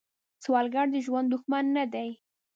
سوالګر د ژوند دښمن نه دی